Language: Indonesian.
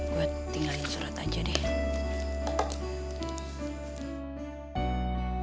gue tinggalin surat aja deh